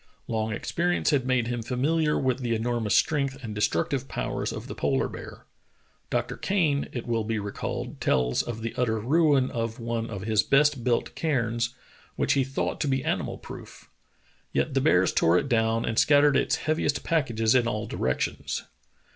Long experience had made him familiar with the enormous strength and destruc tive powers of the polar bear. Dr. Kane, it will be recalled, tells of the utter ruin of one of his best built cairns, which he thought to be animal proof. Yet the bears tore it down and scattered its heaviest pack ages in all directions.